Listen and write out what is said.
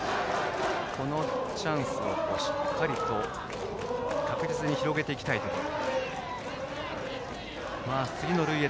このチャンスをしっかりと確実に広げていきたいところ。